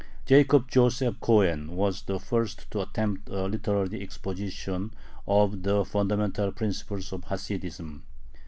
Jacob Joseph Cohen was the first to attempt a literary exposition of the fundamental principles of Hasidism.